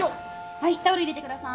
はいタオル入れてください。